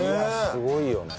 すごいよね。